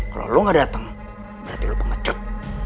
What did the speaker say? kalau lo gak dateng berarti lo pengecut